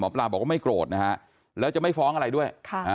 ปลาบอกว่าไม่โกรธนะฮะแล้วจะไม่ฟ้องอะไรด้วย